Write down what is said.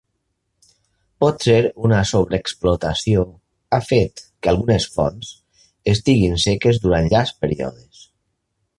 Potser una sobreexplotació ha fet que algunes fonts estiguin seques durant llargs períodes.